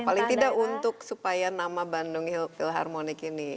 paling tidak untuk supaya nama bandung philharmonic ini